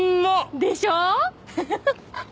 でしょ！